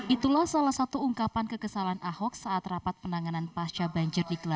itulah salah satu ungkapan kekesalan ahok saat rapat penanganan pasca banjir di kelapa